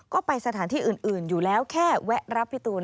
ก็ไปสถานที่อื่นอยู่แล้วแค่แวะรับพี่ตูน